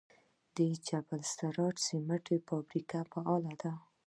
د جبل السراج سمنټو فابریکه فعاله ده؟